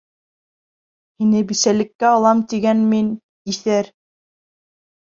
Һине бисәлеккә алам тигән мин, иҫәр!